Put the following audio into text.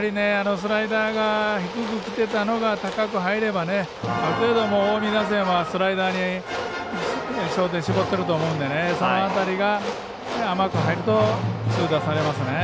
スライダーが低くきてたのが高く入ればある程度近江打線はスライダーに焦点を絞っていると思うのでその辺りが、甘く入ると痛打されますね。